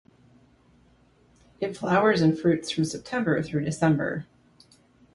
It flowers and fruits from September through December.